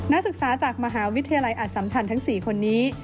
นักศึกษาจากมหาวิทยาลัยอสัมชันทั้ง๔คนนี้